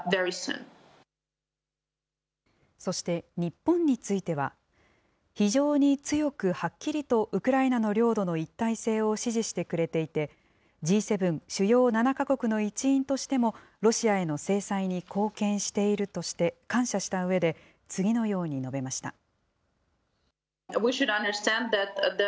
そして日本については、非常に強くはっきりとウクライナの領土の一体性を支持してくれていて、Ｇ７・主要７か国の一員としても、ロシアへの制裁に貢献しているとして感謝したうえで、次のように述べました。